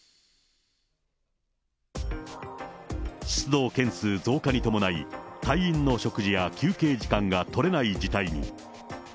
出動件数増加に伴い、隊員の食事や休憩時間が取れない事態に。